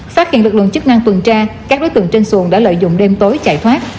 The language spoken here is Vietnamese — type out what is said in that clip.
phát hiện lực lượng chức năng tuần tra các đối tượng trên xuồng đã lợi dụng đêm tối chạy thoát